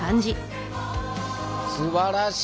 すばらしい！